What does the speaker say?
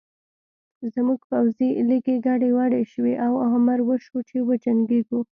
زموږ پوځي لیکې ګډې وډې شوې او امر وشو چې وجنګېږو